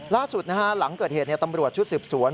ล่าสุดหลังเกิดเหตุตำรวจชุดสืบสวน